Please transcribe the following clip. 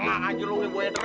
angak aja lu ke buaya deret